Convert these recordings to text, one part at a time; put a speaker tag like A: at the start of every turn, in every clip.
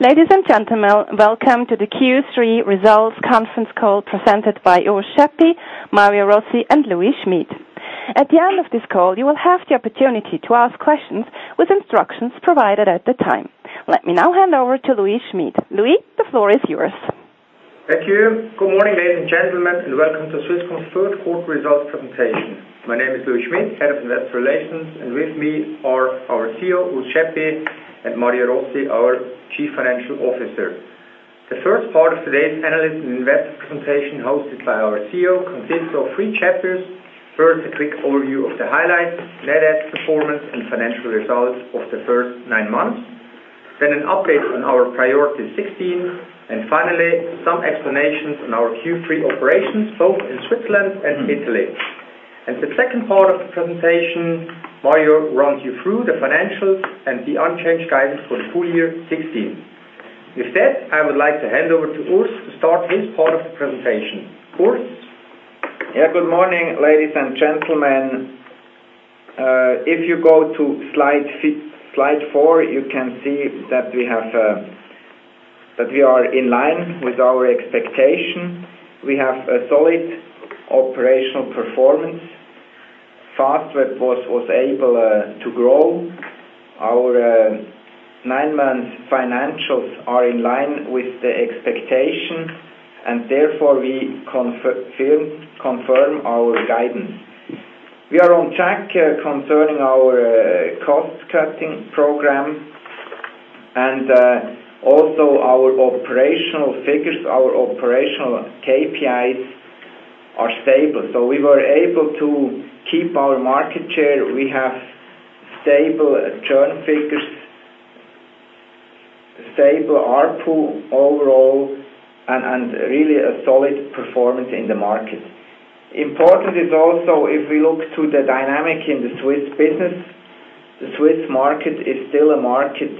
A: Ladies and gentlemen, welcome to the Q3 results conference call presented by Urs Schaeppi, Mario Rossi, and Louis Schmid. At the end of this call, you will have the opportunity to ask questions with instructions provided at the time. Let me now hand over to Louis Schmid. Louis, the floor is yours.
B: Thank you. Good morning, ladies and gentlemen, and welcome to Swisscom's third-quarter results presentation. My name is Louis Schmid, Head of Investor Relations, and with me are our CEO, Urs Schaeppi, and Mario Rossi, our Chief Financial Officer. The first part of today's analyst and investor presentation hosted by our CEO consists of three chapters. First, a quick overview of the highlights, net add performance, and financial results of the first nine months, then an update on our priority 2016, and finally, some explanations on our Q3 operations, both in Switzerland and Italy. In the second part of the presentation, Mario runs you through the financials and the unchanged guidance for the full year 2016. With that, I would like to hand over to Urs to start his part of the presentation. Urs?
C: Yeah, good morning, ladies and gentlemen. If you go to slide four, you can see that we are in line with our expectation. We have a solid operational performance. Fastweb was able to grow. Our nine-month financials are in line with the expectation, and therefore we confirm our guidance. We are on track concerning our cost-cutting program. Our operational figures, our operational KPIs are stable. We were able to keep our market share. We have stable churn figures, stable ARPU overall, and really a solid performance in the market. Important is also, if we look to the dynamic in the Swiss business, the Swiss market is still a market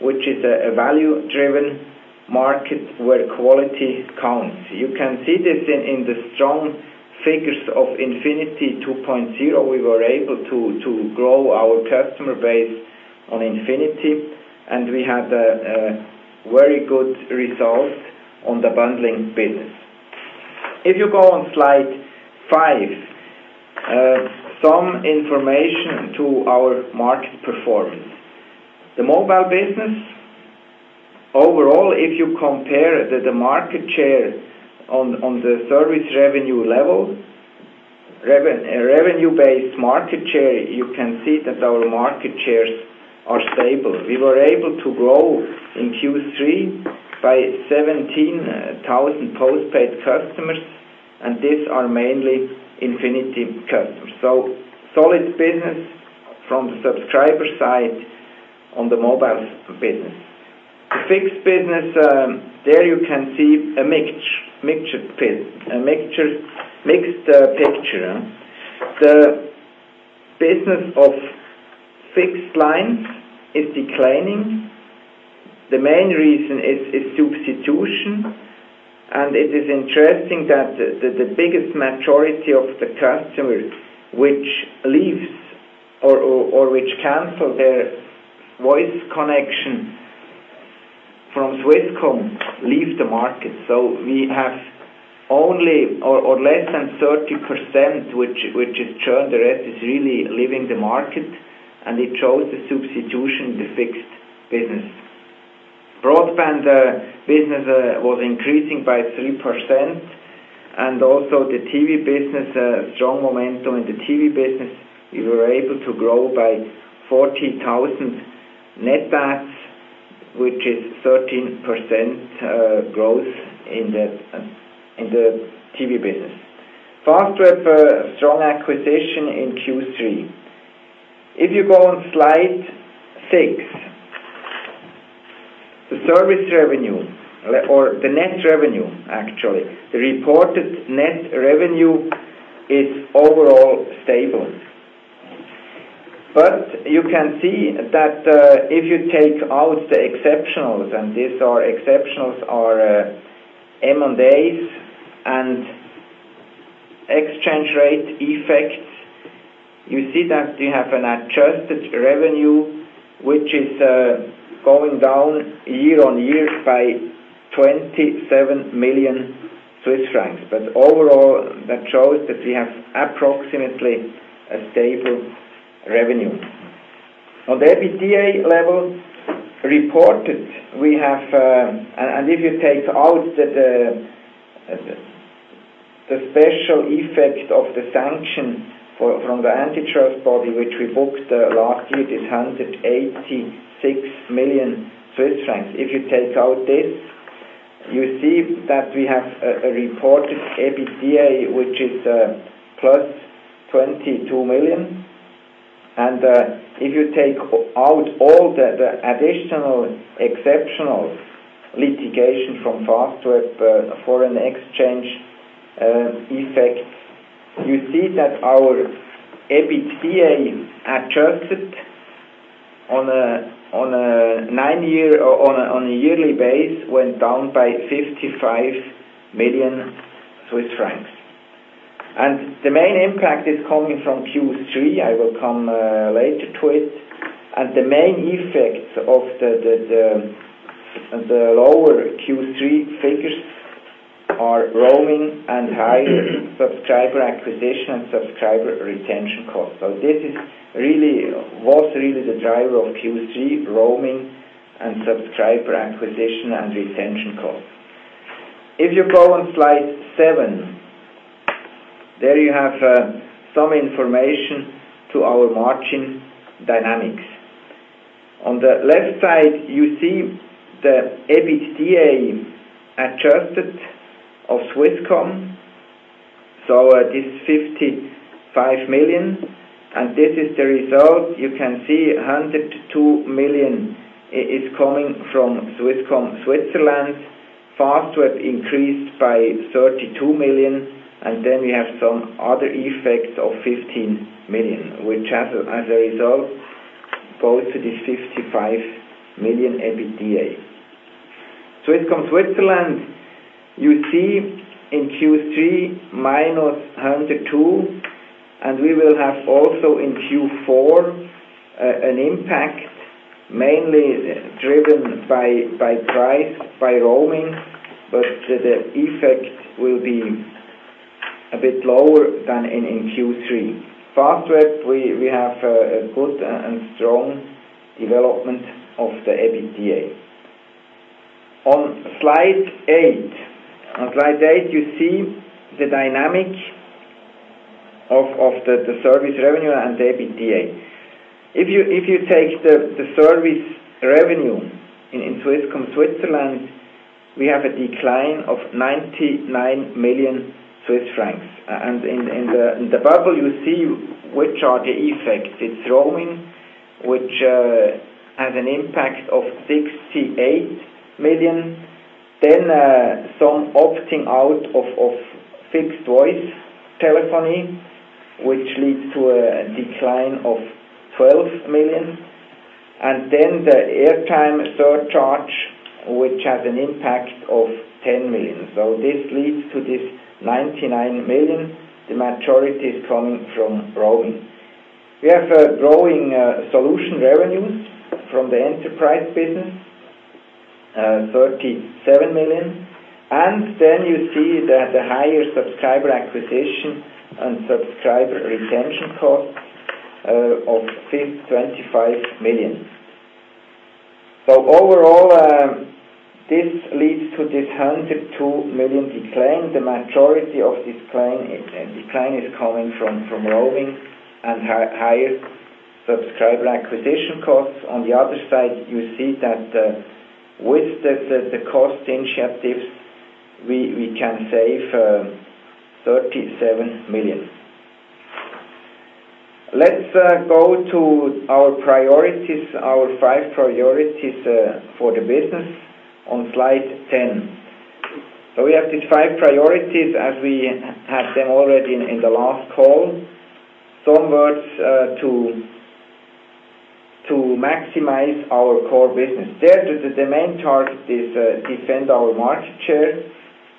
C: which is a value-driven market where quality counts. You can see this in the strong figures of Infinity 2.0. We were able to grow our customer base on Infinity. We had very good results on the bundling business. If you go on slide five, some information to our market performance. The mobile business, overall, if you compare the market share on the service revenue level, revenue-based market share, you can see that our market shares are stable. We were able to grow in Q3 by 17,000 postpaid customers, and these are mainly Infinity customers. Solid business from the subscriber side on the mobile business. The fixed business, there you can see a mixed picture. The business of fixed lines is declining. The main reason is substitution. It is interesting that the biggest majority of the customers which leaves or which cancel their voice connection from Swisscom leave the market. We have only or less than 30%, which is churn. The rest is really leaving the market. It shows the substitution in the fixed business. Broadband business was increasing by 3%. Also the TV business, strong momentum in the TV business. We were able to grow by 14,000 net adds, which is 13% growth in the TV business. Fastweb, a strong acquisition in Q3. If you go on slide six, the service revenue or the net revenue, actually, the reported net revenue is overall stable. You can see that if you take out the exceptionals. These exceptionals are M&As, exchange rate effects. We have an adjusted revenue, which is going down year-over-year by 27 million Swiss francs. Overall, that shows that we have approximately a stable revenue. On the EBITDA level reported. If you take out the special effect of the sanction from the antitrust body which we booked last year, the 186 million Swiss francs. If you take out this, we have a reported EBITDA, which is +22 million. If you take out all the additional exceptional litigation from Fastweb foreign exchange effects, our EBITDA adjusted on a yearly base went down by 55 million Swiss francs. The main impact is coming from Q3. I will come later to it. The main effects of the lower Q3 figures are roaming, high subscriber acquisition, and subscriber retention costs. This was really the driver of Q3: roaming, subscriber acquisition, and retention costs. If you go on slide seven, there you have some information to our margin dynamics. On the left side, you see the EBITDA adjusted of Swisscom. It is 55 million. This is the result. 102 million is coming from Swisscom Switzerland. Fastweb increased by 32 million. We have some other effects of 15 million, which as a result, goes to the 55 million EBITDA. Swisscom Switzerland in Q3, -102 million. We will have also in Q4 an impact mainly driven by price, by roaming. The effect will be a bit lower than in Q3. Fastweb, we have a good and strong development of the EBITDA. On slide eight, you see the dynamic of the service revenue and EBITDA. If you take the service revenue in Swisscom Switzerland, we have a decline of 99 million Swiss francs. In the bubble, which are the effects. It's roaming, which has an impact of 68 million. Some opting out of fixed-voice telephony, which leads to a decline of 12 million. The airtime surcharge, which has an impact of 10 million. This leads to this 99 million. The majority is coming from roaming. We have growing solution revenues from the enterprise business, CHF 37 million. The higher subscriber acquisition and subscriber retention cost of 25 million. Overall, this leads to this 102 million decline. The majority of decline is coming from roaming and higher subscriber acquisition costs. On the other side, with the cost initiatives, we can save 37 million. Let's go to our priorities, our five priorities for the business on slide 10. We have these five priorities as we had them already in the last call. Some words to maximize our core business. There, the main target is defend our market share,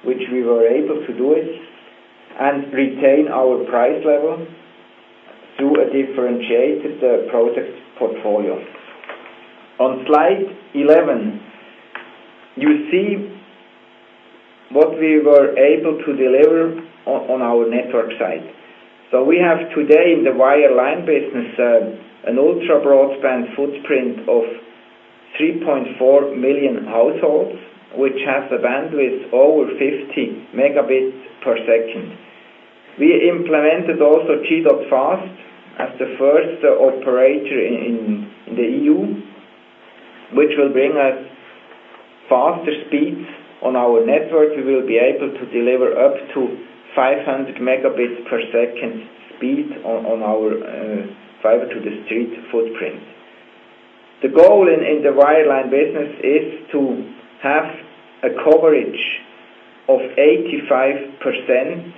C: which we were able to do it, and retain our price level through a differentiated product portfolio. On slide 11, you see what we were able to deliver on our network side. We have today in the wireline business, an ultra-broadband footprint of 3.4 million households, which has a bandwidth over 50 Mbps. We implemented also G.fast as the first operator in the EU, which will bring us faster speeds on our network. We will be able to deliver up to 500 Mbps speed on our fiber to the street footprint. The goal in the wireline business is to have a coverage of 85%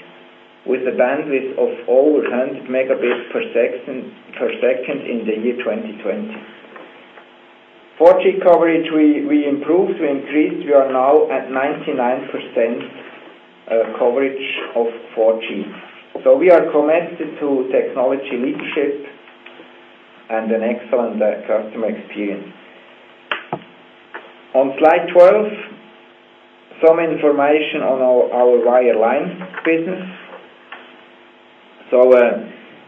C: with a bandwidth of over 100 Mbps in the year 2020. 4G coverage, we improved, we increased. We are now at 99% coverage of 4G. We are committed to technology leadership and an excellent customer experience. On slide 12, some information on our wireline business.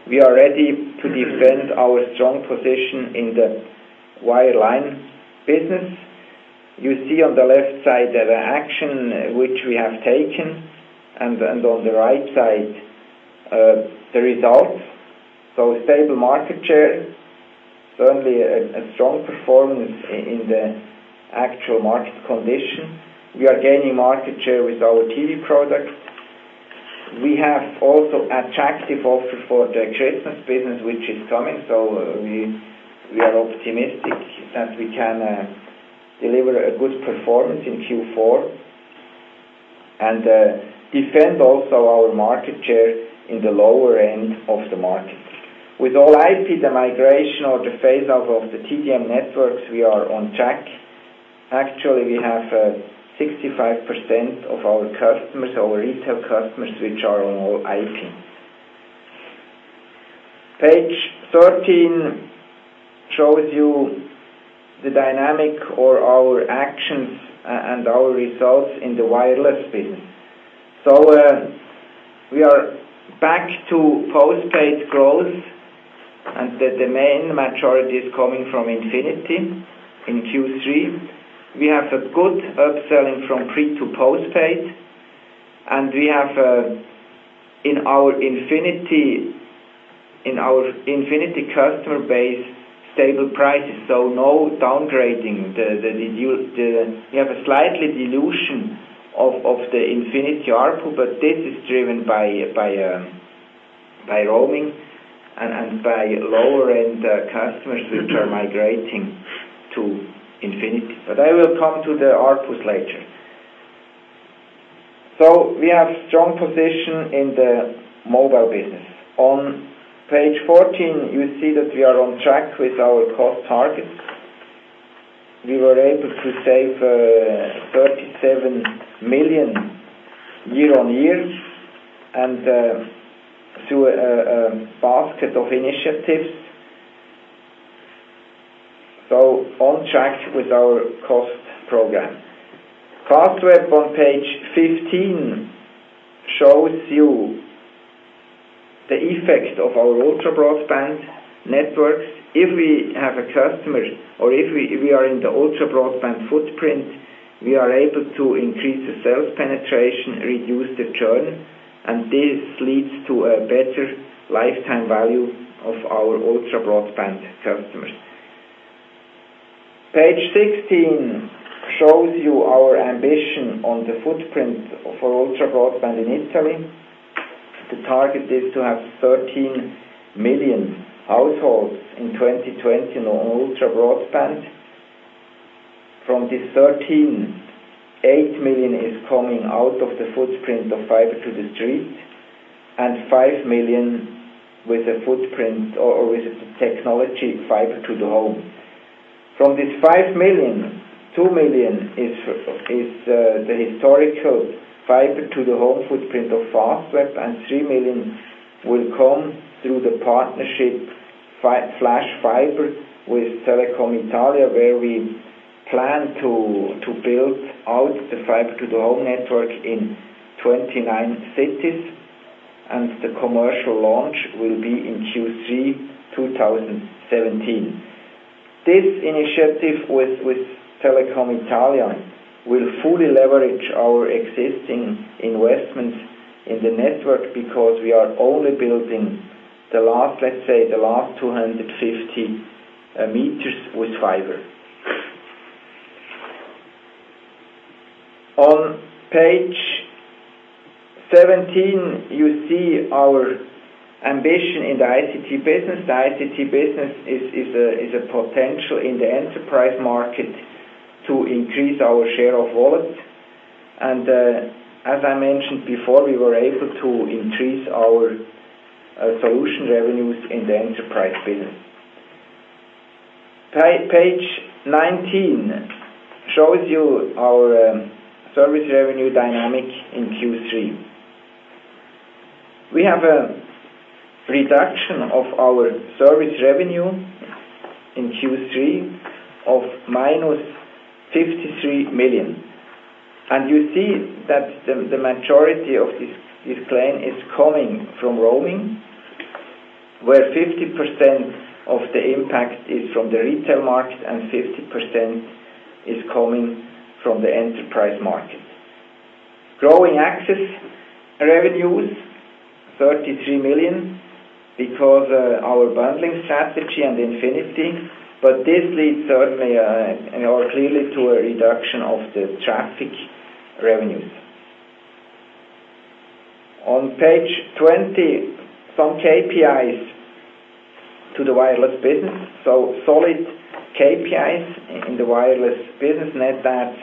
C: We are ready to defend our strong position in the wireline business. You see on the left side the action which we have taken, and on the right side, the results. Stable market share. Certainly a strong performance in the actual market condition. We are gaining market share with our TV products. We have also attractive offer for the Christmas business, which is coming. We are optimistic that we can deliver a good performance in Q4 and defend also our market share in the lower end of the market. With All-IP, the migration or the phase-out of the TDM networks, we are on track. Actually, we have 65% of our retail customers which are on All-IP. Page 13 shows you the dynamic or our actions and our results in the wireless business. We are back to postpaid growth, and the main majority is coming from Infinity in Q3. We have a good upselling from pre to postpaid, and we have, in our Infinity customer base, stable prices. No downgrading. We have a slight dilution of the Infinity ARPU, but this is driven by roaming and by lower-end customers which are migrating to Infinity. I will come to the ARPUs later. We have strong position in the mobile business. On page 14, you see that we are on track with our cost targets. We were able to save 37 million year-over-year and through a basket of initiatives. On track with our cost program. Fastweb on page 15 shows you the effect of our ultra-broadband networks. If we have a customer or if we are in the ultra-broadband footprint, we are able to increase the sales penetration, reduce the churn, and this leads to a better lifetime value of our ultra-broadband customers. Page 16 shows you our ambition on the footprint for ultra-broadband in Italy. The target is to have 13 million households in 2020 on ultra-broadband. From these 13, 8 million is coming out of the footprint of fiber to the street and 5 million with a footprint or with the technology fiber to the home. From this 5 million, 2 million is the historical fiber to the home footprint of Fastweb, and 3 million will come through the partnership Flash Fiber with Telecom Italia, where we plan to build out the fiber to the home network in 29 cities, and the commercial launch will be in Q3 2017. This initiative with Telecom Italia will fully leverage our existing investments in the network because we are only building, let's say, the last 250 meters with fiber. On page 17, you see our ambition in the ICT business. The ICT business is a potential in the enterprise market to increase our share of wallet. As I mentioned before, we were able to increase our solution revenues in the enterprise business. Page 19 shows you our service revenue dynamic in Q3. We have a reduction of our service revenue in Q3 of minus 53 million. You see that the majority of this decline is coming from roaming, where 50% of the impact is from the retail market and 50% is coming from the enterprise market. Growing access revenues, 33 million, because our bundling strategy and infinity. This leads certainly or clearly to a reduction of the traffic revenues. On page 20, some KPIs to the wireless business. Solid KPIs in the wireless business. Net adds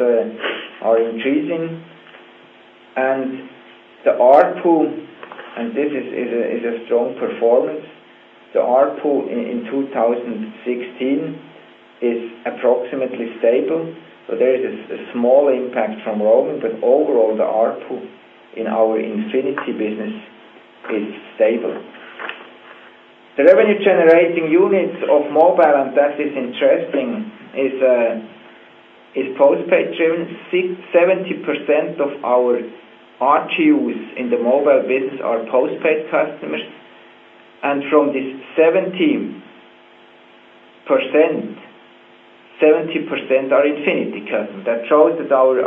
C: are increasing. The ARPU, and this is a strong performance. The ARPU in 2016 is approximately stable. There is a small impact from roaming, but overall, the ARPU in our infinity business is stable. The revenue-generating units of mobile, and that is interesting, is postpaid driven. 70% of our RGUs in the mobile business are postpaid customers. From this 70%, 70% are infinity customers. That shows that our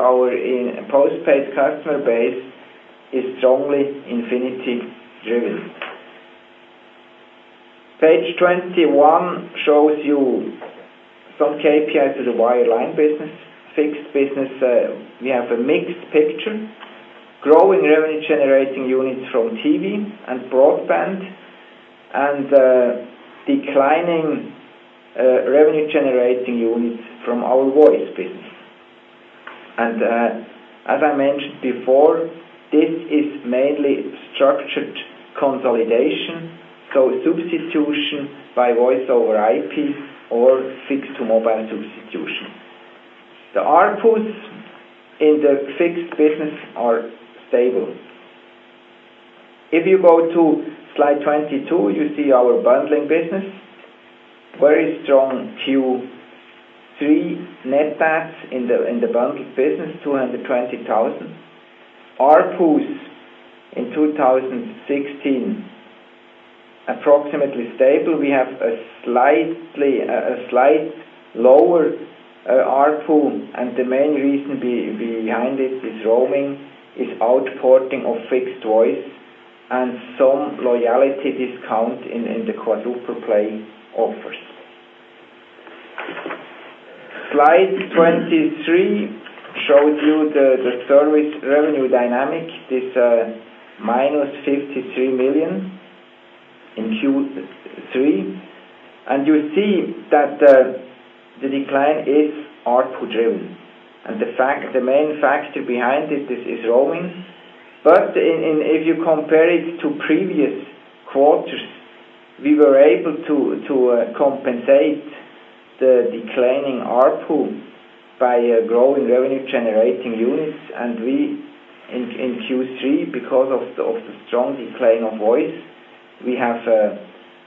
C: postpaid customer base is strongly infinity driven. Page 21 shows you some KPI to the wired line business, fixed business. We have a mixed picture. Growing revenue-generating units from TV and broadband and declining revenue-generating units from our voice business. As I mentioned before, this is mainly structured consolidation, so substitution by voice over IP or fixed to mobile substitution. The ARPU in the fixed business are stable. If you go to slide 22, you see our bundling business. Very strong Q3 net adds in the bundled business, 220,000. ARPUs in 2016, approximately stable. We have a slight lower ARPU, and the main reason behind it is roaming, is outporting of fixed voice, and some loyalty discount in the quadruple play offers. Slide 23 shows you the service revenue dynamic. This minus CHF 53 million in Q3. You see that the decline is ARPU-driven. The main factor behind it is roaming. If you compare it to previous quarters, we were able to compensate the declining ARPU by growing revenue-generating units. In Q3, because of the strong decline of voice, we have a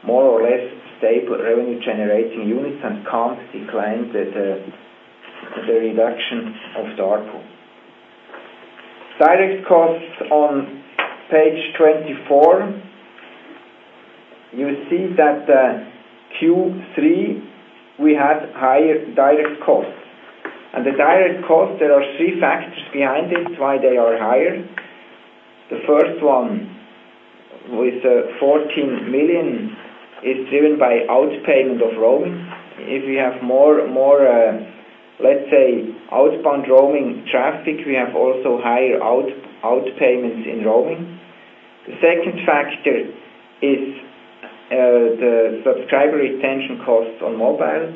C: more or less stable revenue-generating unit and can't decline the reduction of the ARPU. Direct costs on page 24. You see that Q3, we had higher direct costs. The direct costs, there are three factors behind it, why they are higher. The first one, with 14 million, is driven by out-payment of roaming. If we have more, let's say, outbound roaming traffic, we have also higher out-payments in roaming. The second factor is the subscriber retention costs on mobile.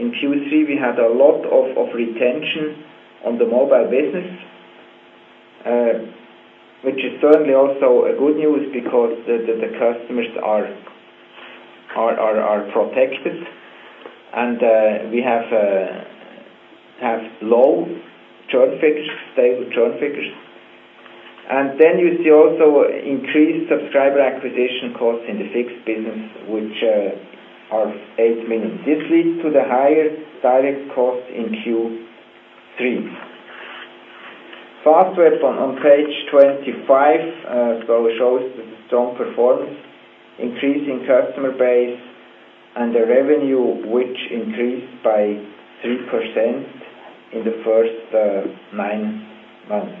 C: In Q3, we had a lot of retention on the mobile business, which is certainly also a good news because the customers are protected. We have low churn figures, stable churn figures. Then you see also increased subscriber acquisition costs in the fixed business, which are 8 million. This leads to the higher direct costs in Q3. Fastweb on page 25 shows the strong performance, increasing customer base and the revenue, which increased by 3% in the first nine months.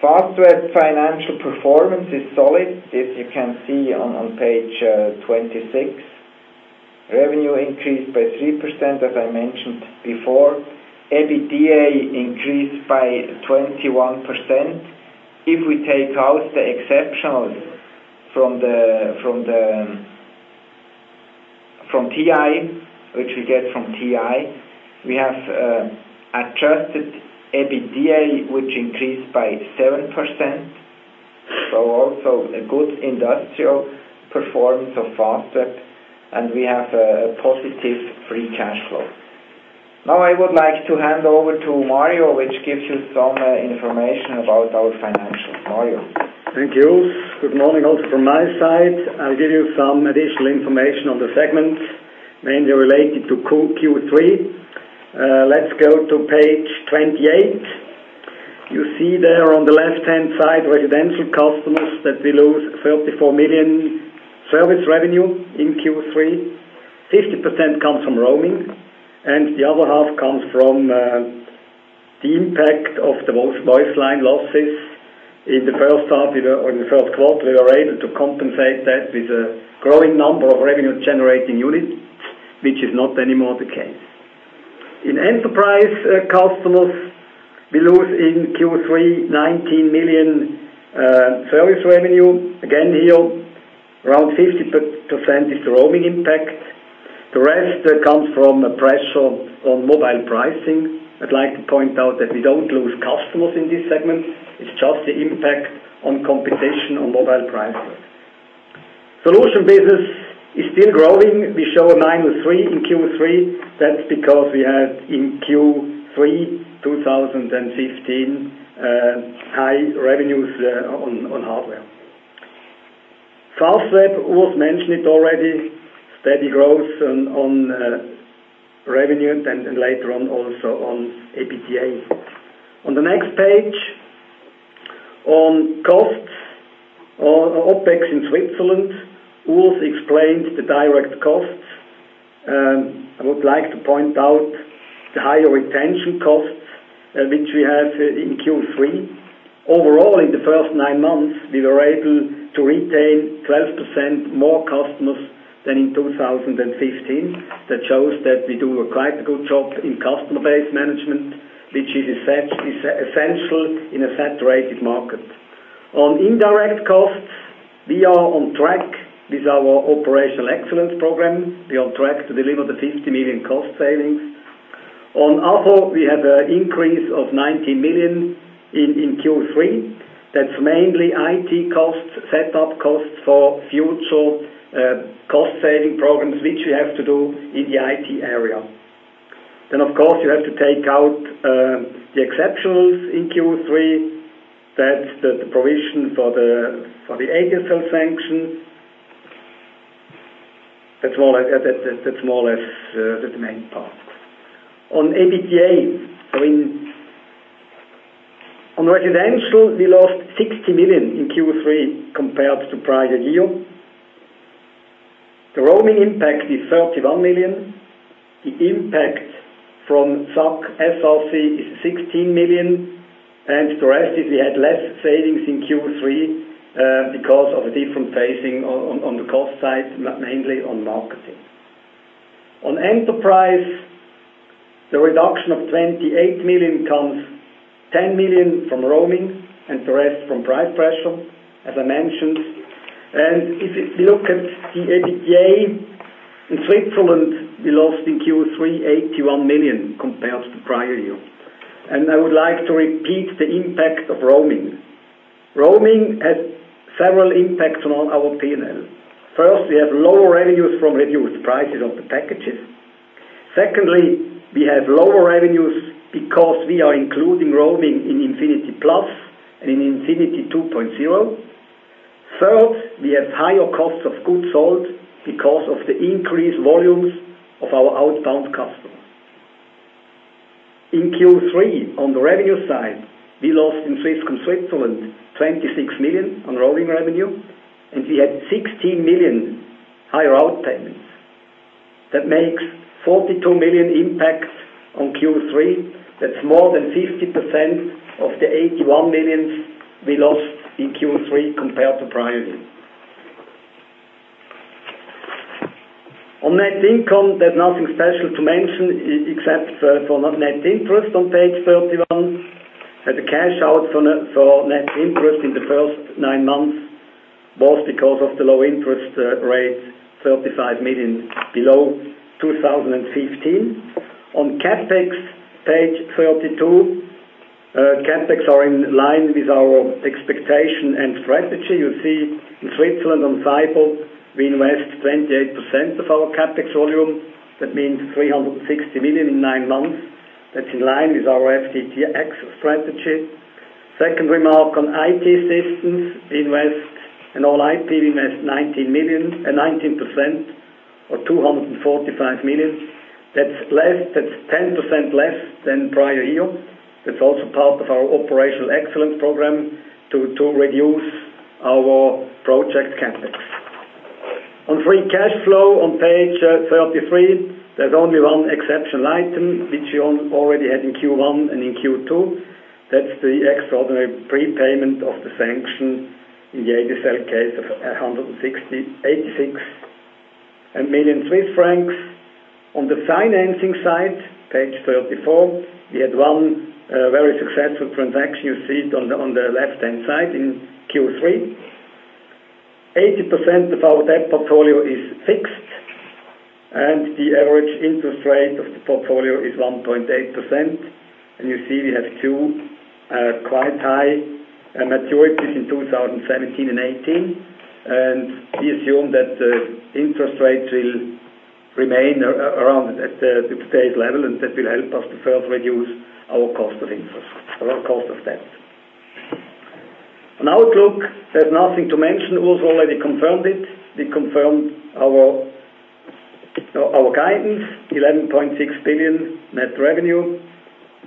C: Fastweb financial performance is solid. This you can see on page 26. Revenue increased by 3%, as I mentioned before. EBITDA increased by 21%. If we take out the exceptionals from TI, which we get from TI, we have adjusted EBITDA, which increased by 7%. Also a good industrial performance of Fastweb, and we have a positive free cash flow. I would like to hand over to Mario, which gives you some information about our financials. Mario?
D: Thank you. Good morning also from my side. I'll give you some additional information on the segments mainly related to Q3. Let's go to page 28. You see there on the left-hand side, residential customers, that we lose 34 million service revenue in Q3. 50% comes from roaming. The other half comes from the impact of the voice line losses. In the first quarter, we were able to compensate that with a growing number of revenue-generating units, which is not anymore the case. In enterprise customers, we lose in Q3 19 million service revenue. Again, here, around 50% is the roaming impact. The rest comes from pressure on mobile pricing. I'd like to point out that we don't lose customers in this segment. It's just the impact on competition on mobile pricing. Solution business is still growing. We show a minus three in Q3. That's because we had in Q3 2015, high revenues on hardware. Fastweb, Urs mentioned it already. Steady growth on revenue then later on also on EBITDA. On the next page, on costs or OpEx in Switzerland, Urs explained the direct costs. I would like to point out the higher retention costs, which we had in Q3. Overall, in the first nine months, we were able to retain 12% more customers than in 2015. That shows that we do quite a good job in customer base management, which is essential in a saturated market. On indirect costs, we are on track with our operational excellence program. We are on track to deliver the 50 million cost savings. On other, we had an increase of 19 million in Q3. That's mainly IT costs, setup costs for future cost-saving programs, which we have to do in the IT area. Of course, you have to take out the exceptionals in Q3. That's the provision for the ADSL sanction. That's more or less the main part. On EBITDA. On residential, we lost 60 million in Q3 compared to prior year. The roaming impact is 31 million. The impact from SAC, SRC is 16 million, and the rest is we had less savings in Q3 because of a different phasing on the cost side, mainly on marketing. On enterprise, the reduction of 28 million comes 10 million from roaming and the rest from price pressure, as I mentioned. If you look at the EBITDA in Switzerland, we lost in Q3, 81 million compared to prior year. I would like to repeat the impact of roaming. Roaming had several impacts on our P&L. First, we have lower revenues from reduced prices of the packages. Secondly, we have lower revenues because we are including roaming in Infinity plus and in Infinity 2.0. Third, we have higher costs of goods sold because of the increased volumes of our outbound customers. In Q3, on the revenue side, we lost in Swisscom Switzerland 26 million on roaming revenue, and we had 16 million higher outpayments. That makes 42 million impact on Q3. That is more than 50% of the 81 million we lost in Q3 compared to prior year. On net income, there is nothing special to mention except for net interest on page 31. Had the cash out for net interest in the first nine months was because of the low interest rates, 35 million below 2015. On CapEx, page 32. CapEx are in line with our expectation and strategy. You see in Switzerland on fiber, we invest 28% of our CapEx volume. That means 360 million in nine months. That is in line with our FTTx strategy. Second remark on IT systems invest and all IT, we invest 19% or 245 million. That is 10% less than prior year. That is also part of our operational excellence program to reduce our project CapEx. On free cash flow on page 33, there is only one exceptional item which you already had in Q1 and in Q2. That is the extraordinary prepayment of the sanction in the ADSL case of 186 million Swiss francs. On the financing side, page 34, we had one very successful transaction. You see it on the left-hand side in Q3. 80% of our debt portfolio is fixed, and the average interest rate of the portfolio is 1.8%. You see we have two quite high maturities in 2017 and 2018. We assume that the interest rate will remain around at today's level, and that will help us to further reduce our cost of debt. On outlook, there is nothing to mention. Urs already confirmed it. We confirmed our guidance, 11.6 billion net revenue,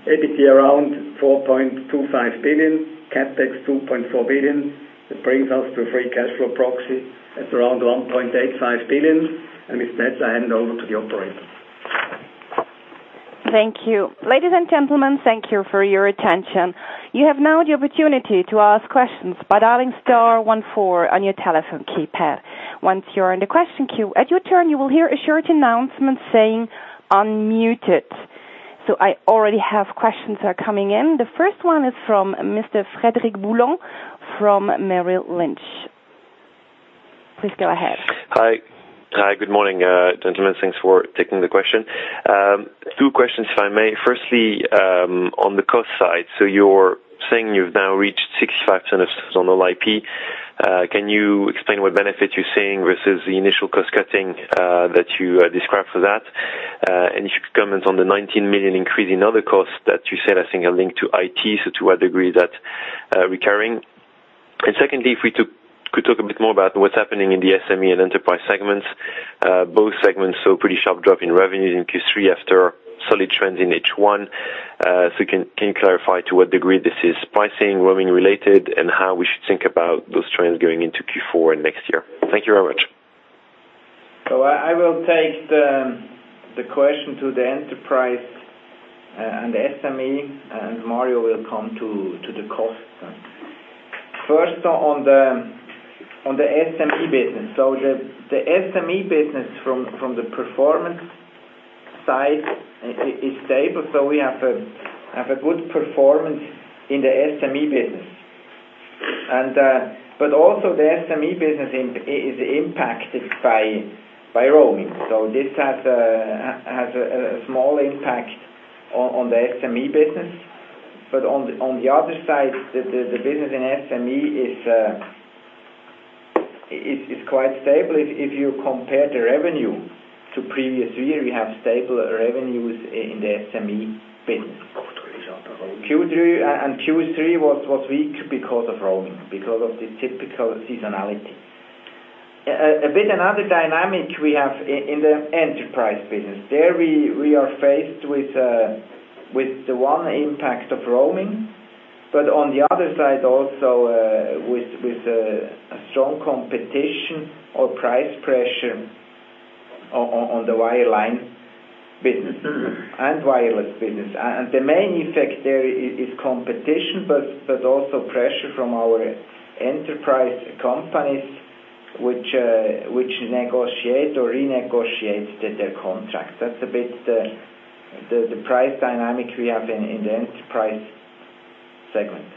D: EBITDA around 4.25 billion, CapEx 2.4 billion. That brings us to a free cash flow proxy at around 1.85 billion. With that, I hand over to the operator.
A: Thank you. Ladies and gentlemen, thank you for your attention. You have now the opportunity to ask questions by dialing star 1 4 on your telephone keypad. Once you are in the question queue, at your turn, you will hear a short announcement saying, "Unmuted." I already have questions that are coming in. The first one is from Mr. Frederic Boulan from Merrill Lynch. Please go ahead.
E: Hi. Good morning, gentlemen. Thanks for taking the question. Two questions, if I may. Firstly, on the cost side. You're saying you've now reached 65% on All-IP. Can you explain what benefit you're seeing versus the initial cost-cutting that you described for that? If you could comment on the 19 million increase in other costs that you said, I think are linked to IT, to what degree is that recurring? Secondly, if we could talk a bit more about what's happening in the SME and enterprise segments. Both segments saw a pretty sharp drop in revenue in Q3 after solid trends in H1. Can you clarify to what degree this is pricing, roaming related, and how we should think about those trends going into Q4 and 2017? Thank you very much.
C: I will take the question to the enterprise and the SME, and Mario will come to the costs. First, on the SME business. The SME business from the performance side is stable. We have a good performance in the SME business. Also the SME business is impacted by roaming. This has a small impact on the SME business. On the other side, the business in SME is quite stable. If you compare the revenue to 2015, we have stable revenues in the SME business.
D: Q3 was weak because of roaming, because of the typical seasonality. A bit another dynamic we have in the enterprise business. There we are faced with the one impact of roaming, on the other side also with a strong competition or price pressure on the wireline business and wireless business. The main effect there is competition, also pressure from our enterprise companies which negotiate or renegotiate their contracts. That's a bit the price dynamic we have in the enterprise segment.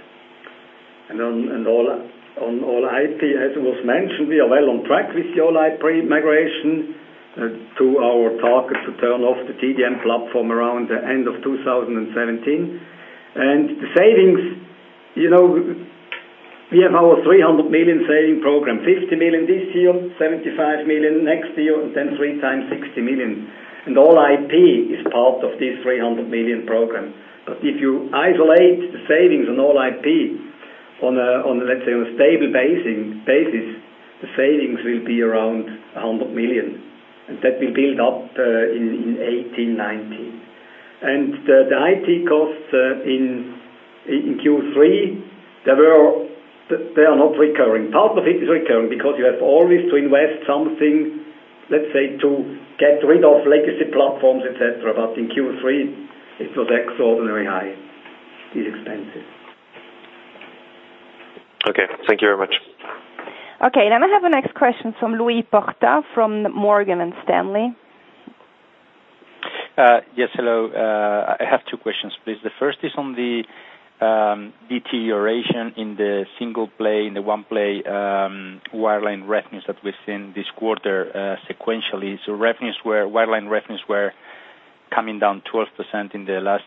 D: On All-IP, as it was mentioned, we are well on track with the All-IP migration to our target to turn off the TDM platform around the end of 2017. The savings, we have our 300 million saving program, 50 million in 2016, 75 million in 2017, and then three times 60 million. All-IP is part of this 300 million program. If you isolate the savings on All-IP on, let's say, a stable basis, the savings will be around 100 million. That will build up in 2018, 2019. The IT costs in Q3, they are not recurring. Part of it is recurring because you have always to invest something, let's say, to get rid of legacy platforms, et cetera. In Q3, it was extraordinarily high, these expenses.
E: Okay. Thank you very much.
A: Okay. I have the next question from Louis Porta from Morgan Stanley.
F: Yes, hello. I have two questions, please. The first is on the deterioration in the single play, in the one play wireline revenues that we've seen this quarter sequentially. Wireline revenues were coming down 12% in the last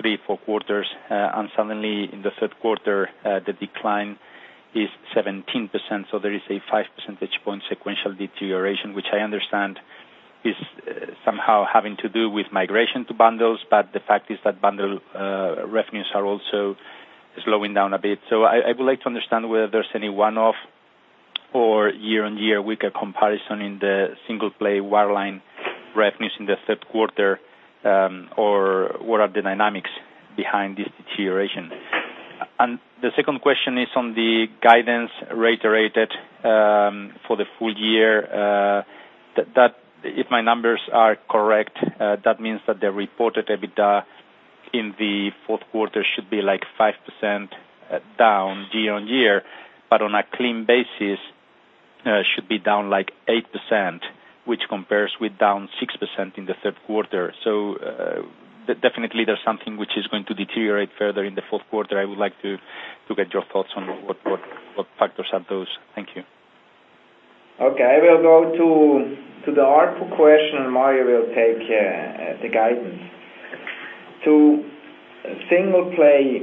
F: three, four quarters. Suddenly in the third quarter, the decline is 17%. There is a five percentage point sequential deterioration, which I understand is somehow having to do with migration to bundles. The fact is that bundle revenues are also slowing down a bit. I would like to understand whether there's any one-off or year-on-year weaker comparison in the single play wireline revenues in the third quarter, or what are the dynamics behind this deterioration? The second question is on the guidance reiterated for the full year. If my numbers are correct, that means that the reported EBITDA in the fourth quarter should be 5% down year-on-year. On a clean basis, should be down 8%, which compares with down 6% in the third quarter. Definitely there's something which is going to deteriorate further in the fourth quarter. I would like to get your thoughts on what factors are those. Thank you.
C: I will go to the ARPU question, and Mario will take the guidance. To single play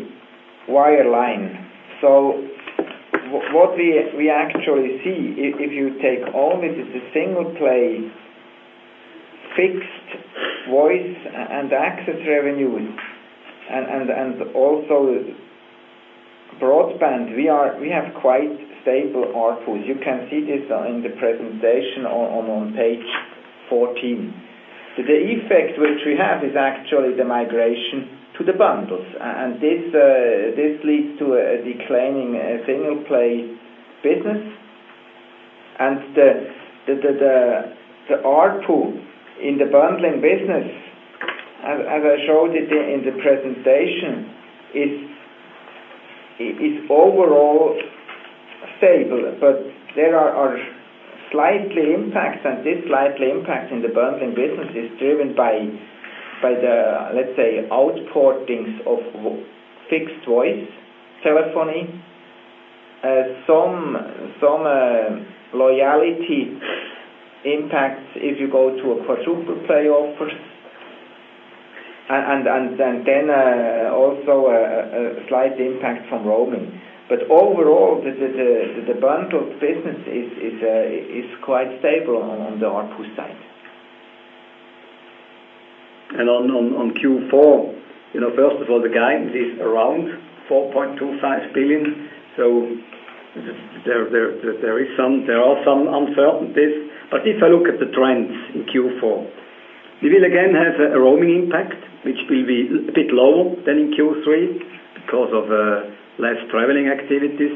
C: wireline. What we actually see, if you take only the single play fixed voice and access revenue and also broadband, we have quite stable ARPUs. You can see this in the presentation on page 14. The effect which we have is actually the migration to the bundles. This leads to a declining single play business. The ARPU in the bundling business, as I showed it in the presentation, is overall stable. There are slightly impacts. This slightly impact in the bundling business is driven by the, let's say, outportings of fixed voice telephony. Some loyalty impacts if you go to a quadruple play offer. Also a slight impact from roaming. Overall, the bundles business is quite stable on the ARPU side.
D: On Q4, first of all, the guidance is around 4.25 billion. There are some uncertainties. If I look at the trends in Q4, we will again have a roaming impact, which will be a bit lower than in Q3 because of less traveling activities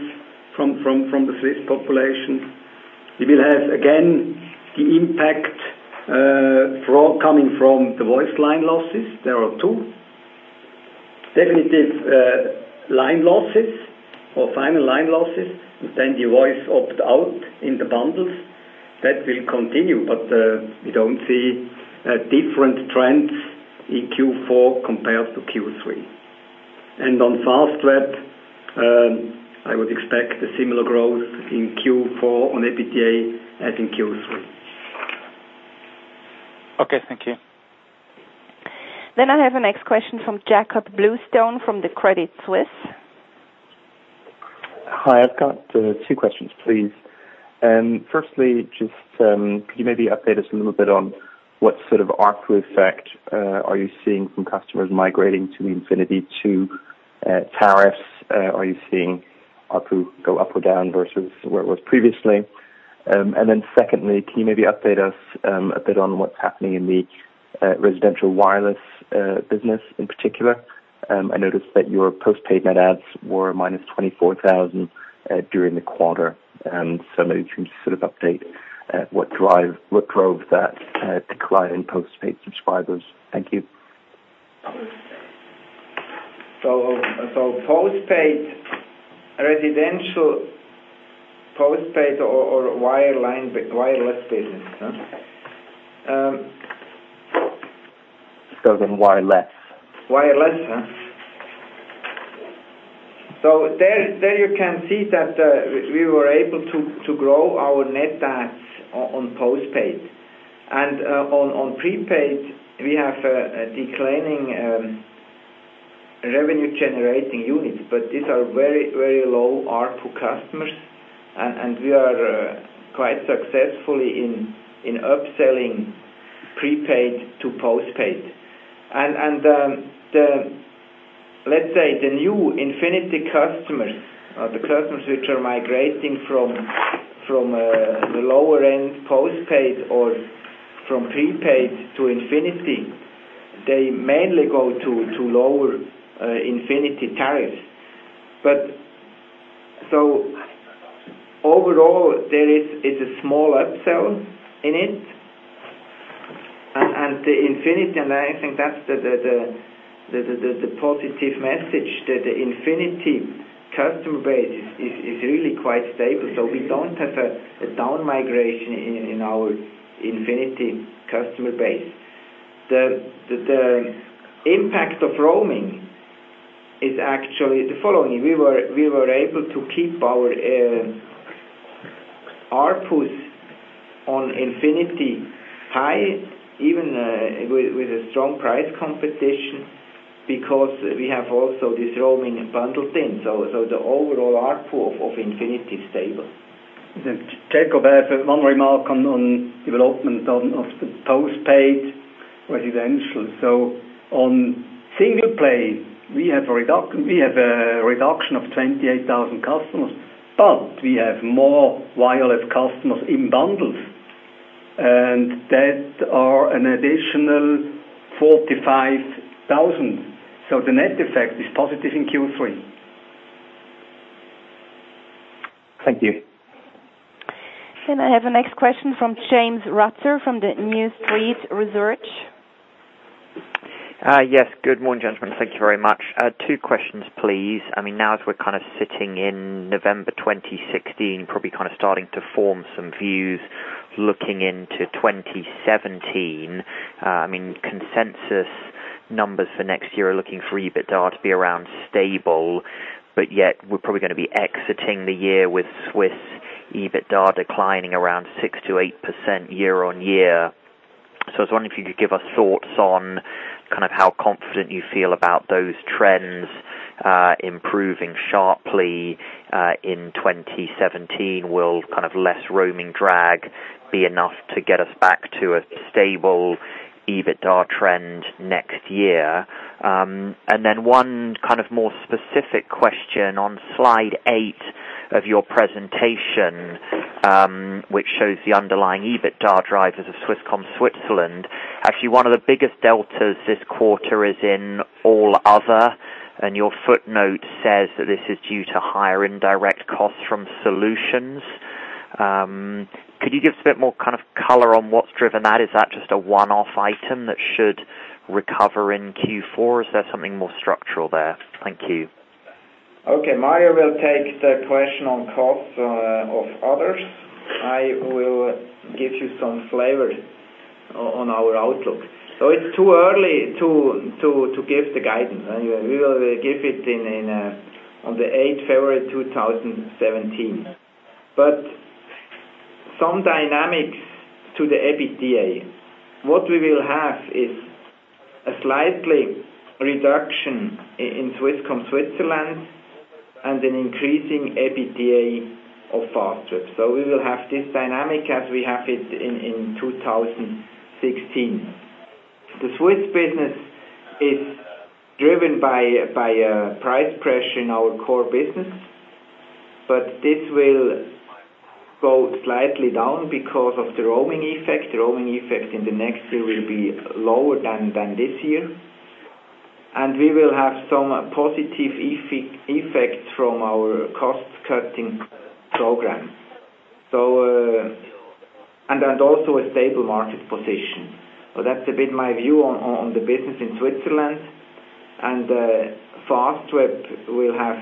D: from the Swiss population. We will have, again, the impact coming from the voice line losses. There are two. Definite line losses or final line losses, then the voice opt-out in the bundles, that will continue. We don't see different trends in Q4 compared to Q3. On Fastweb, I would expect a similar growth in Q4 on EBITDA as in Q3.
F: Thank you.
A: I have the next question from Jakob Bluestone from the Credit Suisse.
G: Hi, I've got two questions, please. Firstly, could you maybe update us a little bit on what sort of ARPU effect are you seeing from customers migrating to the Infinity 2 tariffs? Are you seeing ARPU go up or down versus where it was previously? Secondly, can you maybe update us a bit on what's happening in the residential wireless business in particular? I noticed that your postpaid net adds were -24,000 during the quarter. Maybe you can update what drove that decline in postpaid subscribers. Thank you.
C: Postpaid residential, postpaid or wireless business, huh?
G: Wireless.
D: Wireless, huh? There you can see that we were able to grow our net adds on postpaid. On prepaid, we have a declining revenue-generating unit, but these are very low ARPU customers. We are quite successfully in upselling prepaid to postpaid. Let's say the new Infinity customers or the customers which are migrating from the lower-end postpaid or from prepaid to Infinity, they mainly go to lower Infinity tariffs. Overall, there is a small upsell in it. I think that's the positive message, that the Infinity customer base is really quite stable. We don't have a down migration in our Infinity customer base. The impact of roaming is actually the following. We were able to keep our ARPUs on Infinity high, even with a strong price competition, because we have also this roaming bundle thing.
C: The overall ARPU of infinity is stable. Jakob, I have one remark on development of the postpaid residential. On single play, we have a reduction of 28,000 customers, but we have more wireless customers in bundles, and that are an additional 45,000. The net effect is positive in Q3.
G: Thank you.
A: I have the next question from James Ratzer from the New Street Research.
H: Yes. Good morning, gentlemen. Thank you very much. Two questions, please. As we're sitting in November 2016, probably starting to form some views looking into 2017. Consensus numbers for next year are looking for EBITDA to be around stable, but yet we're probably going to be exiting the year with Swiss EBITDA declining around 6%-8% year-on-year. I was wondering if you could give us thoughts on how confident you feel about those trends improving sharply in 2017. Will less roaming drag be enough to get us back to a stable EBITDA trend next year? One more specific question on Slide 8 of your presentation which shows the underlying EBITDA drivers of Swisscom Switzerland. Actually, one of the biggest deltas this quarter is in all other, and your footnote says that this is due to higher indirect costs from solutions. Could you give us a bit more color on what's driven that? Is that just a one-off item that should recover in Q4? Is there something more structural there? Thank you.
C: Okay. Mario Rossi will take the question on costs of others. I will give you some flavor on our outlook. It's too early to give the guidance. We will give it on the 8th February 2017. Some dynamics to the EBITDA. What we will have is a slight reduction in Swisscom Switzerland and an increasing EBITDA of Fastweb. We will have this dynamic as we have it in 2016. The Swiss business is driven by price pressure in our core business. This will go slightly down because of the roaming effect. The roaming effect in the next year will be lower than this year. We will have some positive effect from our cost-cutting program. Also a stable market position. That's a bit my view on the business in Switzerland. Fastweb will have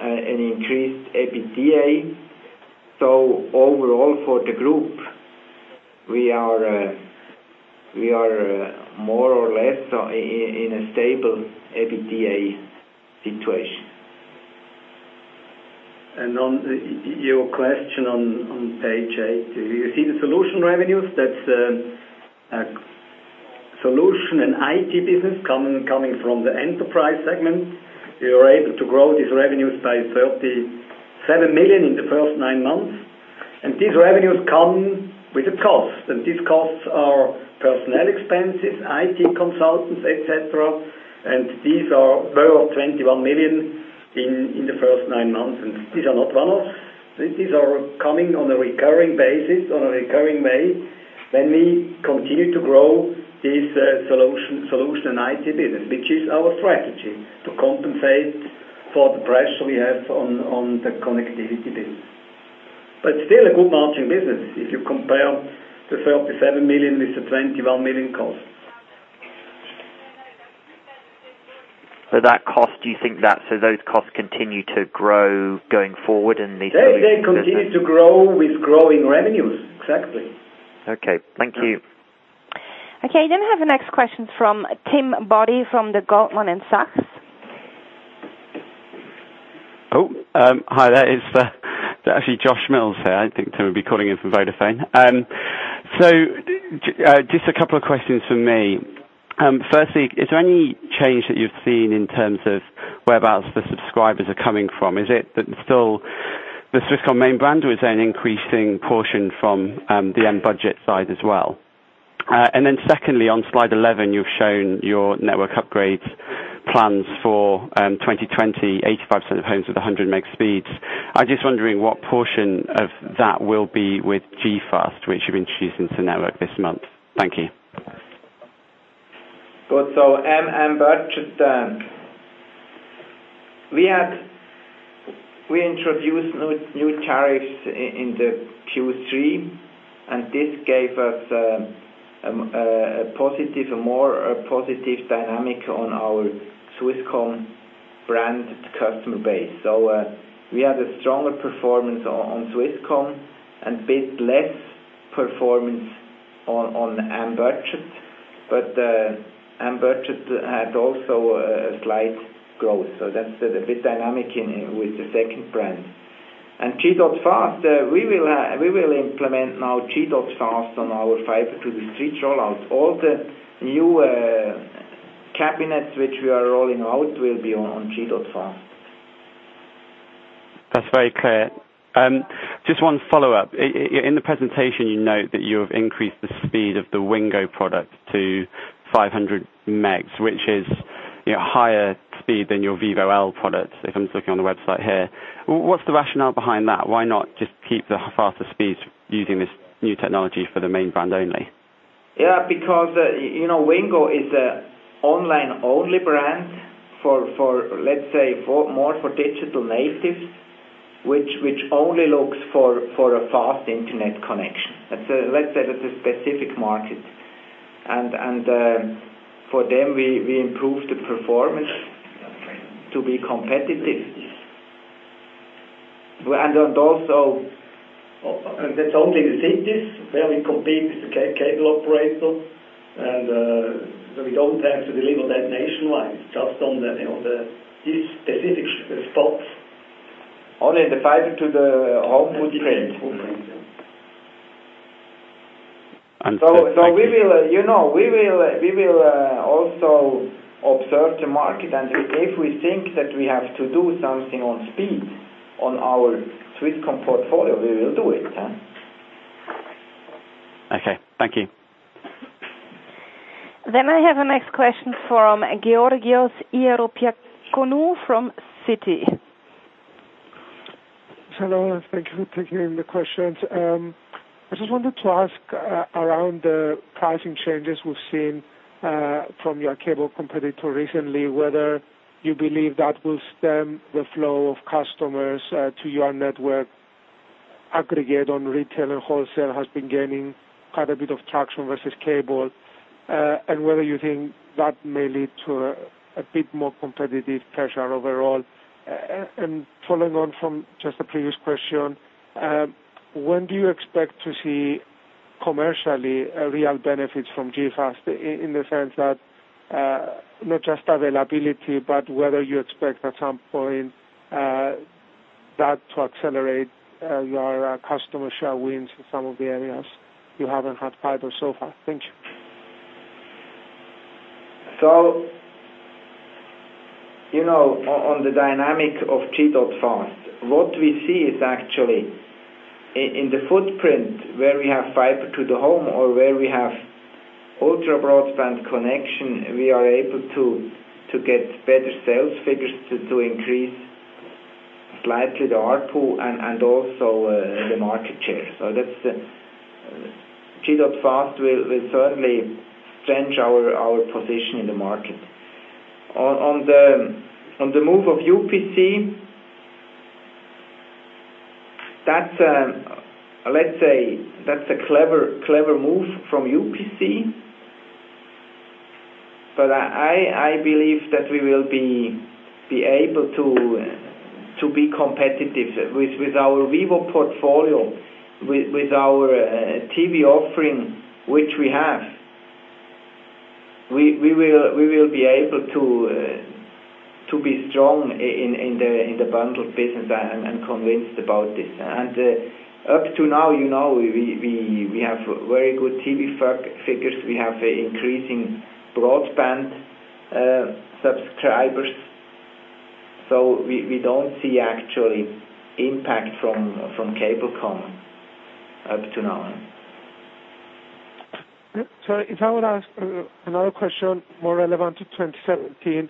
C: an increased EBITDA. Overall for the group, we are more or less in a stable EBITDA situation.
D: On your question on page eight, do you see the solution revenues? That's a solution and IT business coming from the enterprise segment. We were able to grow these revenues by 37 million in the first nine months. These revenues come with a cost, and these costs are personnel expenses, IT consultants, et cetera. These were 21 million in the first nine months. These are not one-offs. These are coming on a recurring basis, on a recurring way. We continue to grow this solution and IT business, which is our strategy to compensate for the pressure we have on the connectivity business. Still a good margin business if you compare the 37 million with the 21 million cost.
H: That cost, do you think that those costs continue to grow going forward?
D: They continue to grow with growing revenues. Exactly.
H: Okay. Thank you.
A: Okay. I have the next question from Tim Boddy from Goldman Sachs.
I: Hi there. It's actually Josh Mills here. I didn't think Tim would be calling in from Vodafone. Just a couple of questions from me. Firstly, is there any change that you've seen in terms of whereabouts the subscribers are coming from? Is it that it's still the Swisscom main brand or is there an increasing portion from the M-Budget side as well? Secondly, on slide 11, you've shown your network upgrades plans for 2020, 85% of homes with 100 meg speeds. I'm just wondering what portion of that will be with G.fast, which you're introducing to network this month. Thank you.
C: Good. M-Budget. We introduced new tariffs in Q3, and this gave us a more positive dynamic on our Swisscom brand customer base. We had a stronger performance on Swisscom and a bit less performance on M-Budget. M-Budget had also a slight growth. That's the bit dynamic with the second brand. G.fast, we will implement now G.fast on our fiber to the street rollout. All the new cabinets which we are rolling out will be on G.fast.
I: That's very clear. Just one follow-up. In the presentation, you note that you have increased the speed of the Wingo product to 500 megs, which is higher speed than your Vivo L products, if I'm looking on the website here. What's the rationale behind that? Why not just keep the faster speeds using this new technology for the main brand only?
C: Wingo is an online-only brand for, let's say, more for digital natives, which only looks for a fast internet connection. Let's say that's a specific market. For them, we improve the performance to be competitive. That's only the cities where we compete with the cable operator. We don't have to deliver that nationwide, just on these specific spots. Only the fiber to the home would change.
I: Understood. Thank you.
C: We will also observe the market, and if we think that we have to do something on speed on our Swisscom portfolio, we will do it.
I: Okay. Thank you.
A: I have the next question from Georgios Ierodiaconou from Citi.
J: Hello, and thank you for taking the questions. I just wanted to ask around the pricing changes we've seen from your cable competitor recently, whether you believe that will stem the flow of customers to your network. Aggregate on retail and wholesale has been gaining quite a bit of traction versus cable. Whether you think that may lead to a bit more competitive pressure overall. Following on from just the previous question, when do you expect to see commercially real benefits from G.fast in the sense that, not just availability, but whether you expect at some point that to accelerate your customer share wins in some of the areas you haven't had fiber so far? Thank you.
C: On the dynamic of G.fast, what we see is actually in the footprint where we have fiber to the home or where we have ultra-broadband connection, we are able to get better sales figures to increase slightly the ARPU and also the market share. G.fast will certainly strengthen our position in the market.
D: On the move of UPC. That's a clever move from UPC, but I believe that we will be able to be competitive with our Vivo portfolio, with our TV offering, which we have. We will be able to be strong in the bundle business. I am convinced about this. Up to now, we have very good TV figures. We have increasing broadband subscribers. We don't see actually impact from Cablecom up to now.
J: Sorry. If I would ask another question more relevant to 2017.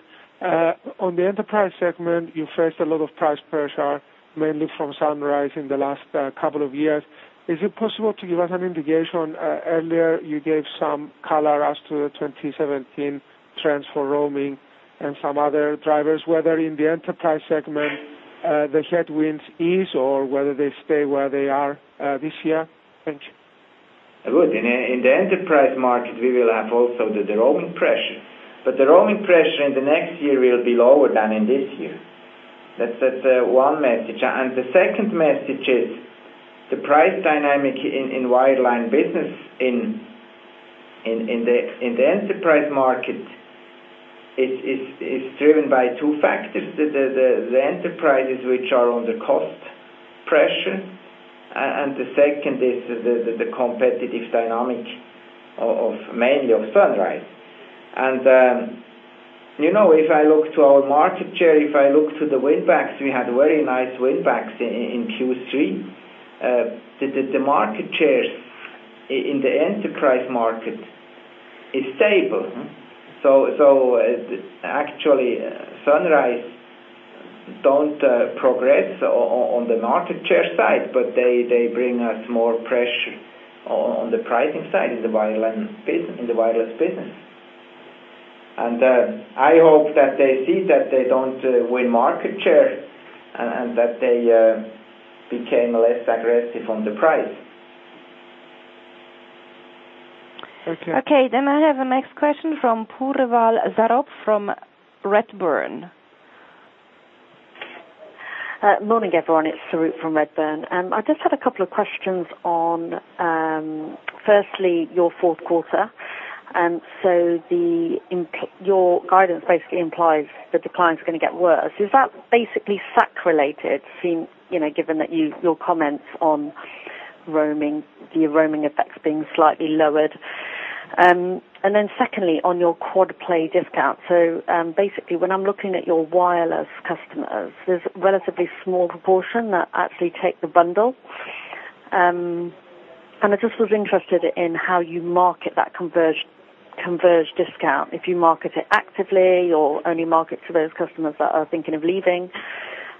J: On the enterprise segment, you faced a lot of price pressure, mainly from Sunrise in the last couple of years. Is it possible to give us an indication? Earlier, you gave some color as to the 2017 trends for roaming and some other drivers, whether in the enterprise segment, the headwinds ease or whether they stay where they are this year? Thank you.
C: Good. In the enterprise market, we will have also the roaming pressure. The roaming pressure in the next year will be lower than in this year. That's one message. The second message is the price dynamic in wireline business in the enterprise market is driven by two factors. The enterprises which are under cost pressure, and the second is the competitive dynamic mainly of Sunrise. If I look to our market share, if I look to the win backs, we had very nice win backs in Q3. The market shares in the enterprise market is stable. Actually, Sunrise don't progress on the market share side, but they bring us more pressure on the pricing side in the wireless business. I hope that they see that they don't win market share and that they became less aggressive on the price.
J: Okay.
A: I have the next question from [Puruval] Zarov from Redburn.
K: Morning, everyone. It's Zarov from Redburn. I just had a couple of questions on, firstly, your fourth quarter. Your guidance basically implies that the client's going to get worse. Is that basically SAC related, given that your comments on the roaming effects being slightly lowered? Secondly, on your quad-play discount. Basically, when I'm looking at your wireless customers, there's a relatively small proportion that actually take the bundle. I just was interested in how you market that converge discount. If you market it actively or only market to those customers that are thinking of leaving,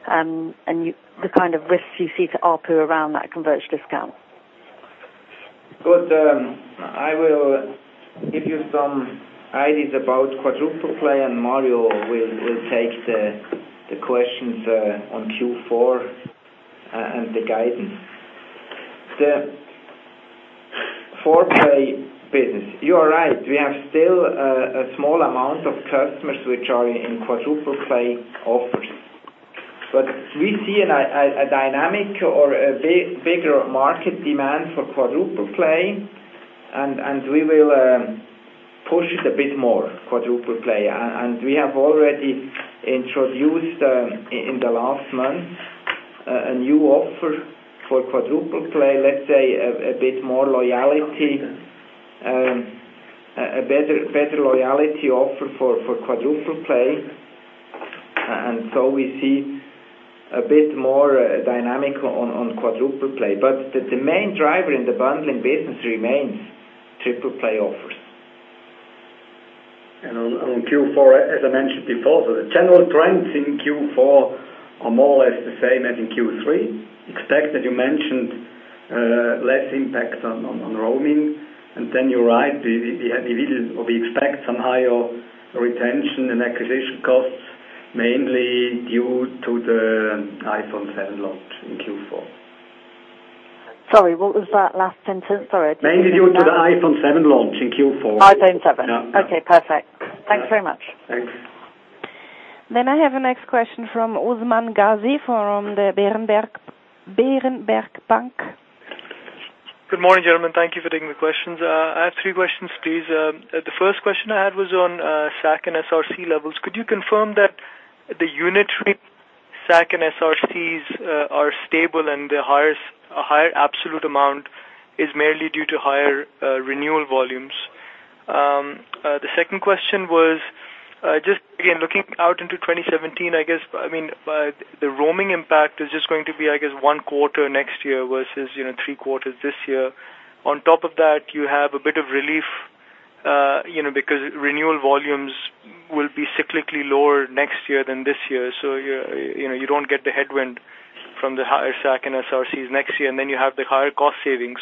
K: and the kind of risks you see to ARPU around that converge discount.
C: Good. I will give you some ideas about quadruple play, and Mario will take the questions on Q4 and the guidance. The four-play business. You are right. We have still a small amount of customers which are in quadruple play offers. We see a dynamic or a bigger market demand for quadruple play, and we will push it a bit more, quadruple play. We have already introduced in the last month a new offer for quadruple play. Let's say a better loyalty offer for quadruple play. We see a bit more dynamic on quadruple play. The main driver in the bundling business remains triple play offers.
D: On Q4, as I mentioned before, the general trends in Q4 are more or less the same as in Q3. Expect, as you mentioned, less impacts on roaming. You're right, we expect some higher retention and acquisition costs, mainly due to the iPhone 7 launch in Q4.
K: Sorry, what was that last sentence? Sorry, I didn't hear.
D: Mainly due to the iPhone 7 launch in Q4.
K: iPhone 7.
D: Yeah.
K: Okay, perfect. Thanks very much.
D: Thanks.
A: I have the next question from Usman Ghazi from the Berenberg Bank.
L: Good morning, gentlemen. Thank you for taking the questions. I have three questions, please. The first question I had was on SAC and SRC levels. Could you confirm that the unit SAC and SRCs are stable and a higher absolute amount is mainly due to higher renewal volumes? The second question was just, again, looking out into 2017, the roaming impact is just going to be, I guess, one quarter next year versus three quarters this year. On top of that, you have a bit of relief because renewal volumes will be cyclically lower next year than this year. You don't get the headwind from the higher SAC and SRCs next year, and then you have the higher cost savings.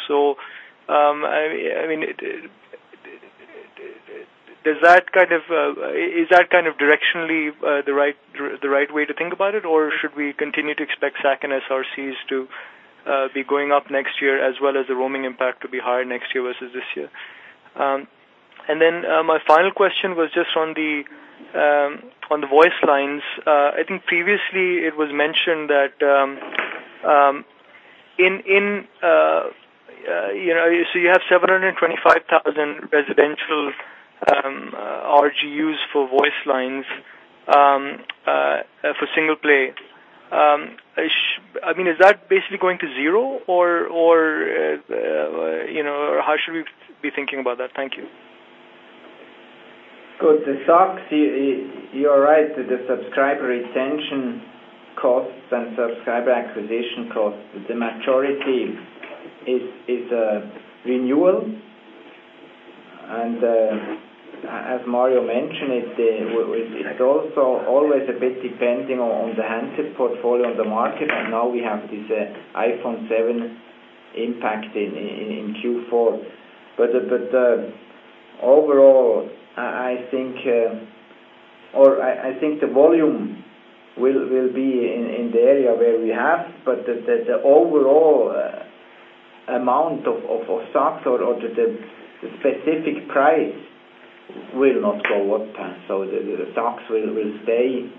L: Is that directionally the right way to think about it, or should we continue to expect SAC and SRCs to be going up next year as well as the roaming impact to be higher next year versus this year? My final question was just on the voice lines. I think previously it was mentioned that you have 725,000 residential RGUs for voice lines for single play. Is that basically going to zero, or how should we be thinking about that? Thank you.
C: Good. The SACs, you are right. The subscriber retention costs and subscriber acquisition costs, the majority is renewal. As Mario mentioned, it's also always a bit depending on the handset portfolio on the market. Right now we have this iPhone 7 impact in Q4. Overall, I think the volume will be in the area where we have, but the overall amount of SAC or the specific price will not go up. The SACs will stay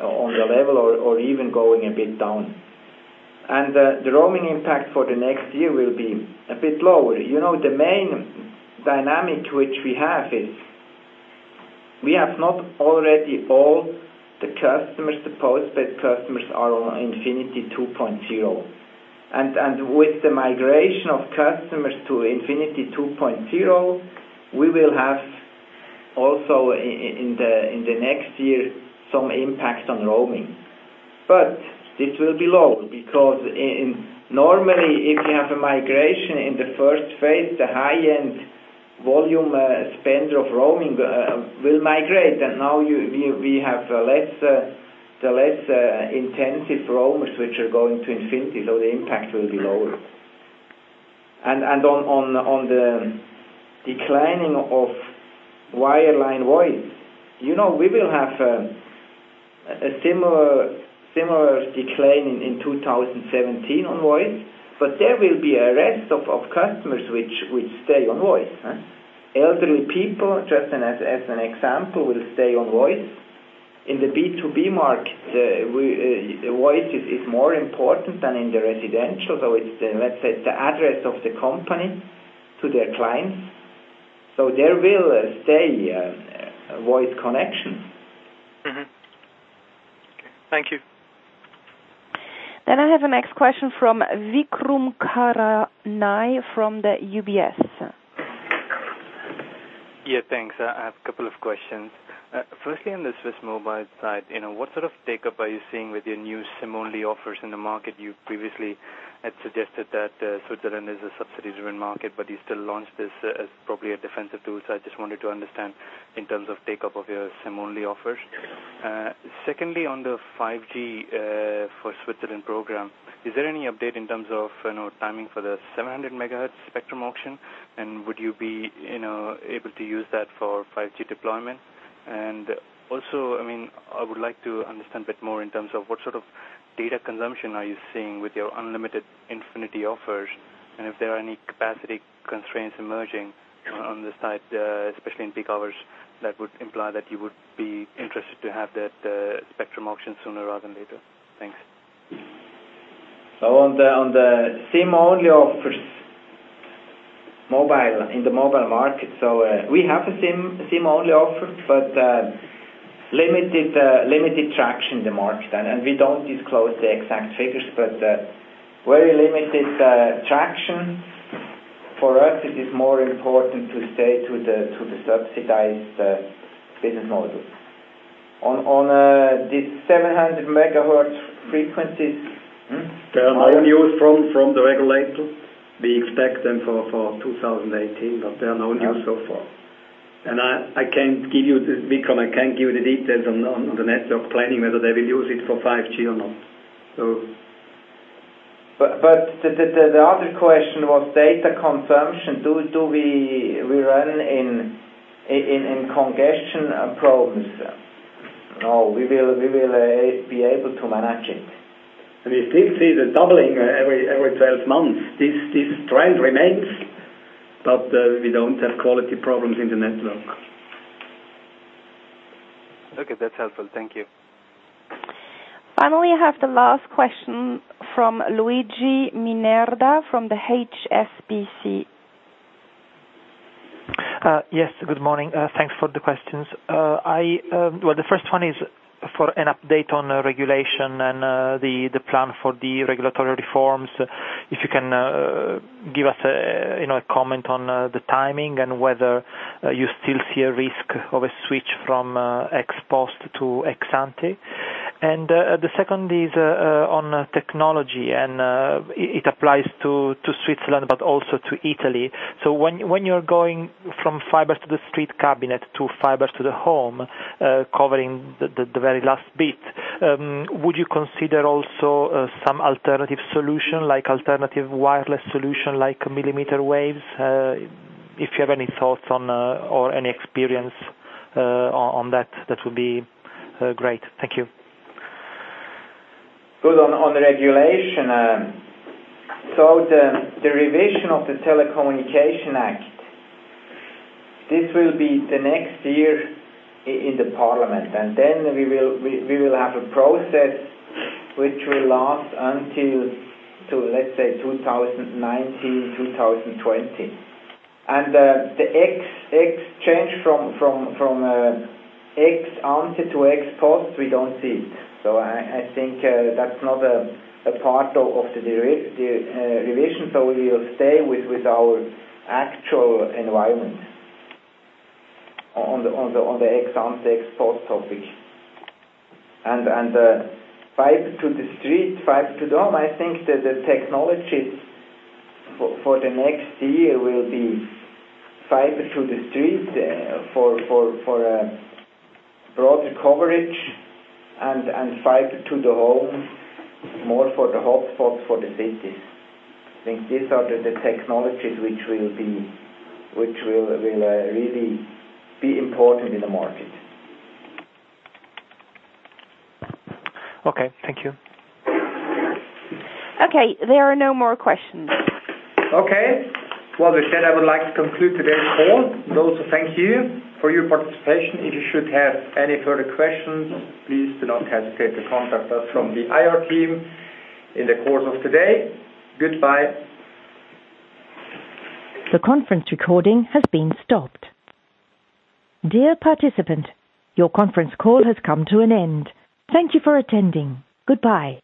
C: on the level or even going a bit down. The roaming impact for the next year will be a bit lower. The main dynamic which we have is we have not already all the customers, the postpaid customers are on Infinity 2.0. With the migration of customers to Infinity 2.0, we will have also in the next year, some impact on roaming. This will be low because normally if you have a migration in the first phase, the high-end volume spender of roaming will migrate. Now we have the less intensive roamers which are going to Infinity, so the impact will be lower. On the declining of wireline voice. We will have a similar decline in 2017 on voice, but there will be a rest of customers which will stay on voice. Elderly people, just as an example, will stay on voice. In the B2B market, voice is more important than in the residential. It's, let's say, the address of the company to their clients. There will stay voice connections.
L: Okay. Thank you.
A: I have the next question from Vikram Karai from the UBS.
M: Thanks. I have a couple of questions. Firstly, on the Swiss mobile side, what sort of take-up are you seeing with your SIM-only offers in the market? You previously had suggested that Switzerland is a subsidy-driven market, you still launched this as probably a defensive tool. I just wanted to understand in terms of take-up of your SIM-only offers. Secondly, on the 5G for Switzerland program, is there any update in terms of timing for the 700 MHz spectrum auction, would you be able to use that for 5G deployment? Also, I would like to understand a bit more in terms of what sort of data consumption are you seeing with your unlimited Infinity offers, if there are any capacity constraints emerging on the side, especially in peak hours that would imply that you would be interested to have that spectrum auction sooner rather than later. Thanks.
C: On the SIM-only offers in the mobile market. We have a SIM-only offer, limited traction in the market. We don't disclose the exact figures, very limited traction. For us, it is more important to stay to the subsidized business model. On these 700 MHz frequencies-
D: There are no news from the regulator. We expect them for 2018, there are no news so far. Vikram, I can't give you the details on the network planning, whether they will use it for 5G or not.
C: The other question was data consumption. Do we run in congestion problems? No, we will be able to manage it.
D: We still see the doubling every 12 months. This trend remains, but we don't have quality problems in the network.
M: Okay. That's helpful. Thank you.
A: Finally, I have the last question from Luigi Minerva from HSBC.
N: Good morning. Thanks for the questions. The first one is for an update on regulation and the plan for the regulatory reforms. If you can give us a comment on the timing and whether you still see a risk of a switch from ex post to ex ante. The second is on technology, and it applies to Switzerland, but also to Italy. When you are going from fiber to the street to fiber to the home, covering the very last bit, would you consider also some alternative solution, like alternative wireless solution like millimeter waves? If you have any thoughts on or any experience on that would be great. Thank you.
C: On the regulation. The revision of the Telecommunication Act, this will be the next year in the parliament, and then we will have a process which will last until, let's say 2019, 2020. The exchange from ex ante to ex post, we don't see it. I think that's not a part of the revision. We will stay with our actual environment on the ex ante, ex post topic. Fiber to the street, fiber to the home, I think that the technology for the next year will be fiber to the street for broader coverage and fiber to the home more for the hotspots for the cities. I think these are the technologies which will really be important in the market.
N: Okay. Thank you.
A: Okay. There are no more questions.
B: Okay. With that said, I would like to conclude today's call, and also thank you for your participation. If you should have any further questions, please do not hesitate to contact us from the IR team in the course of the day. Goodbye.
A: The conference recording has been stopped. Dear participant, your conference call has come to an end. Thank you for attending. Goodbye.